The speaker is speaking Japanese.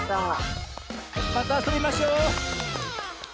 またあそびましょう。